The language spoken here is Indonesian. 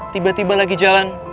tiba tiba lagi jalan